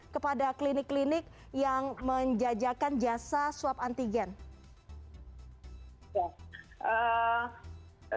kepada klinik klinik yang menjajakan jasa swab antigen